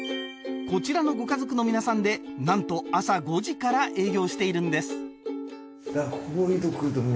こちらのご家族の皆さんでなんと朝５時から営業しているんです